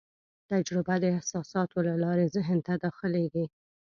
تجربه د احساساتو له لارې ذهن ته داخلېږي.